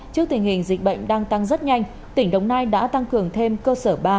trước tình hình dịch bệnh đang tăng rất nhanh tỉnh đồng nai đã tăng cường thêm cơ sở ba